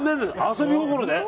遊び心で？